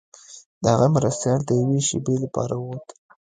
د هغه مرستیال د یوې شیبې لپاره ووت.